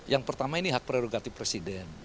yang pertama ini hak prerogatif presiden